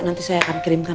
nanti saya akan kirimkan